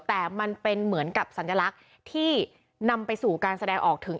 แต่มันเป็นเหมือนกับสัญลักษณ์ที่นำไปสู่การแสดงออกถึง